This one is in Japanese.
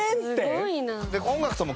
すごいな。